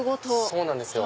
そうなんですよ。